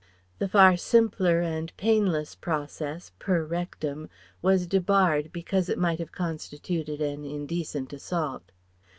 The far simpler and painless process per rectum was debarred because it might have constituted an indecent assault.